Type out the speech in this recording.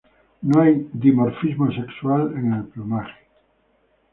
No hay dimorfismo sexual en el plumaje.